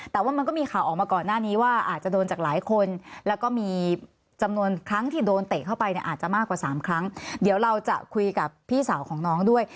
แต่ว่ามันก็มีข่าวออกมาก่อนหน้านี้ว่าอาจจะโดนจากหลายคนแล้วก็มีจำนวนครั้งที่โดนเตะเข้าไปเนี่ยอาจจะมากกว่าสามครั้งเดี๋ยวเราจะคุยกับพี่สาวของน้องด้วย